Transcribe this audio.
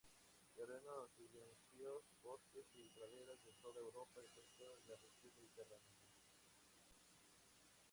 Terrenos silíceos, bosques y praderas de toda Europa, excepto en la región mediterránea.